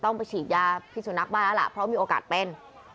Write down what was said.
ต้องไปฉีดยาพิสุนัขบ้านแล้วล่ะเพราะมีโอกาสเป็น